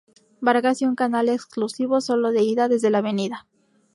Vargas y un canal exclusivo solo de ida desde la Av.